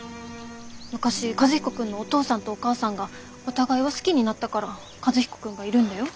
昔和彦君のお父さんとお母さんがお互いを好きになったから和彦君がいるんだよ？